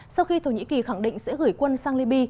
sau khi thổ nhĩ kỳ khẳng định sẽ gửi quân sang liby